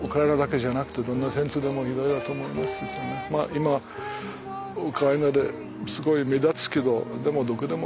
今はウクライナですごい目立つけどでもどこでもあるんじゃない。